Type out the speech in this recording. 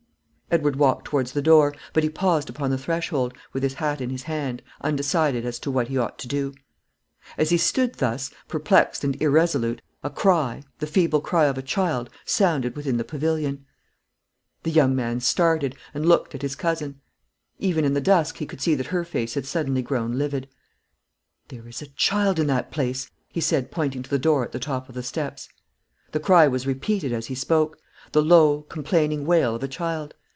Edward walked towards the door; but he paused upon the threshold, with his hat in his hand, undecided as to what he ought to do. As he stood thus, perplexed and irresolute, a cry, the feeble cry of a child, sounded within the pavilion. The young man started, and looked at his cousin. Even in the dusk he could see that her face had suddenly grown livid. "There is a child in that place," he said pointing to the door at the top of the steps. The cry was repeated as he spoke, the low, complaining wail of a child.